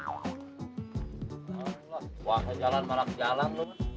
wala uangnya jalan malak jalan loh